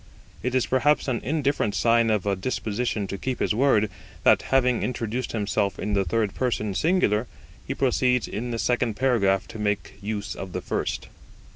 It is perhaps an indifferent sign of a disposition to keep his word, that, having introduced himself in the third person singular, he proceeds in the second paragraph to make use of the first.